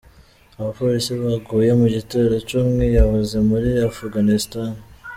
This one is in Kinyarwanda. Abapolisi baguye mu gitero c'umwiyahuzi muri Afuganistani.